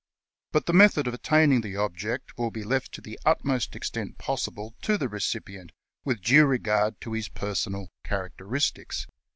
But the method of attaining the object will be left to the utmost extent possible to the recipient, with due regard to his personal characteristics.